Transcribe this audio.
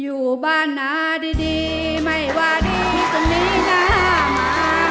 อยู่บ้านหน้าดีไม่ว่าดีจนยิ่งหน้ามา